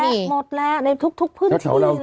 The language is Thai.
หมดและหมดและในทุกพื้นที่เลย